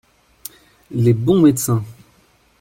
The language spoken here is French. Les bons médecins.